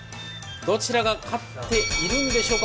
どちらが勝っているんでしょうか。